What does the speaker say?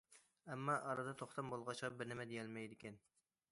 ئەمما، ئارىدا توختام بولغاچقا، بىر نېمە دېيەلمەيدىكەن.